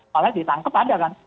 malah ditangkep ada kan